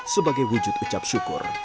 sebagai wujud ucap syukur